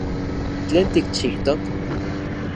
¿Tlen tikchijtok?